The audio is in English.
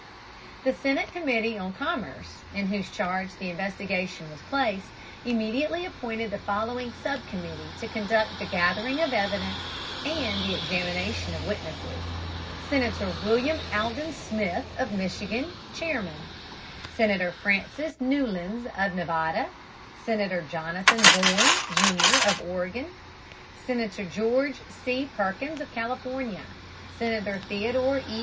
The Senate Committee on Commerce, in whose charge the investigation was placed, immediately appointed the following sub committee to conduct the gathering of evidence and the examination of witnesses: Senator William Alden Smith of Michigan, chairman; Senator Francis Newlands of Nevada, Senator Jonathan Bourne, Jr., of Oregon, Senator George C. Perkins of California, Senator Theodore E.